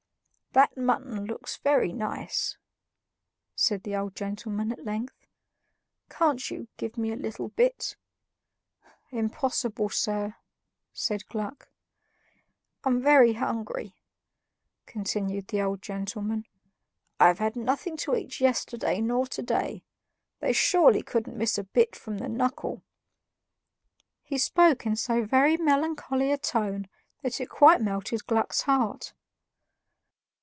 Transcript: "That mutton looks very nice," said the old gentleman at length. "Can't you give me a little bit?" "Impossible, sir," said Gluck. "I'm very hungry," continued the old gentleman. "I've had nothing to eat yesterday nor to day. They surely couldn't miss a bit from the knuckle!" He spoke in so very melancholy a tone that it quite melted Gluck's heart.